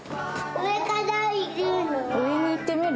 上に行ってみる？